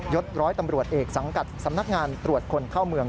ศร้อยตำรวจเอกสังกัดสำนักงานตรวจคนเข้าเมือง